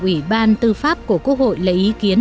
ủy ban tư pháp của quốc hội lấy ý kiến